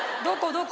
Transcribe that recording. どこ？